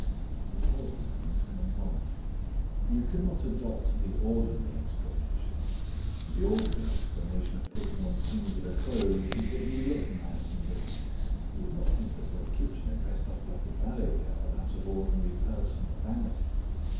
He paused a moment, and went on: "You could not adopt the ordinary explanation. The ordinary explanation of putting on singular clothes is that you look nice in them; you would not think that Lord Kitchener dressed up like a ballet girl out of ordinary personal vanity.